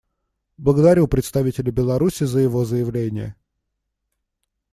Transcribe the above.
Благодарю представителя Беларуси за его заявление.